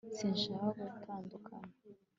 sinshaka gutandukana